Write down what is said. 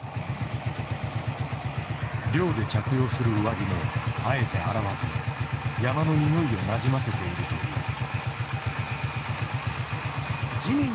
猟で着用する上着もあえて洗わず山のにおいをなじませているという。